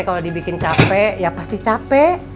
kalau dibikin capek ya pasti capek